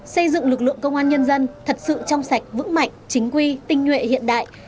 xây dựng lực lượng công an nhân dân thật sự trong sạch vững mạnh chính quy tinh nhuệ hiện đại